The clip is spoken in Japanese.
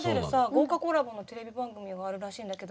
豪華コラボのテレビ番組があるらしいんだけど。